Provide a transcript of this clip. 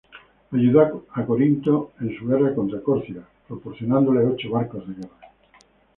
Ayudó a Corinto en su guerra contra Córcira, proporcionándole ocho barcos de guerra.